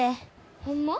ホンマ？